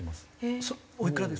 それおいくらですか？